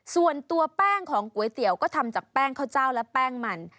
ส่วนตัวแป้งของก๋วยเตี๋ยวก็ทำจากแป้งข้าวเจ้าและแป้งมัน